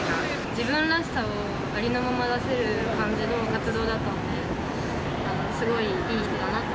自分らしさをありのまま出せる感じの活動だったんで、すごいいいのかなと。